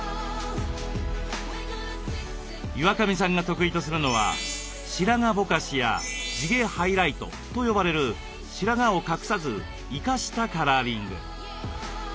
岩上さんが得意とするのは「白髪ぼかし」や「地毛ハイライト」と呼ばれる白髪を隠さず「生かした」カラーリング。